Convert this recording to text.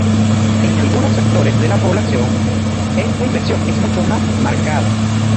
En algunos sectores de la población esta inflexión es mucho más marcada.